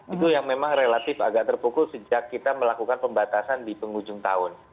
itu yang memang relatif agak terpukul sejak kita melakukan pembatasan di penghujung tahun